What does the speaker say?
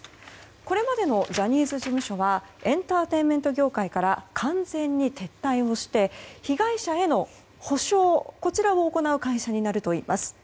これまでのジャニーズ事務所はエンターテインメント業界から完全に撤退をして被害者への補償こちらを行う会社になるといいます。